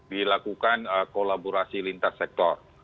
dilakukan kolaborasi lintas sektor